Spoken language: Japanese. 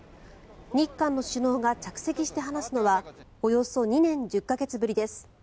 日韓の首脳が着席して話すのはおよそ２年１０か月ぶりです。